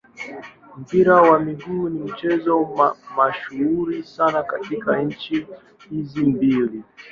Mpira wa miguu ni mchezo mashuhuri sana katika nchi hizo mbili.